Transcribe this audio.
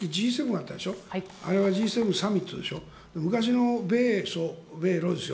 あれはＧ７サミットでしょ。